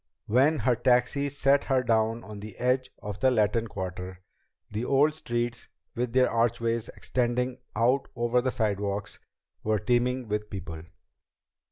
When her taxi set her down on the edge of the Latin Quarter, the old streets, with their archways extending out over the sidewalks, were teeming with people.